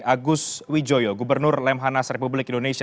agus wijoyo gubernur lemhanas republik indonesia